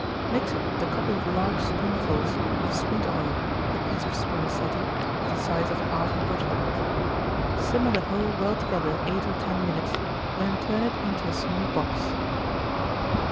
Mix it with a couple of large spoonsful of sweet oil, a piece of spermaceti, of the size of half a butternut. Simmer the whole well together eight or ten minutes, then turn it into a small box.